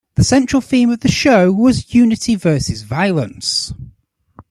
The central theme of the show was unity versus violence.